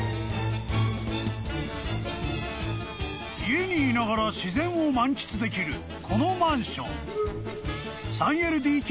［家にいながら自然を満喫できるこのマンション］